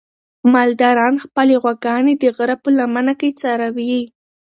مالداران خپلې غواګانې د غره په لمنه کې څروي.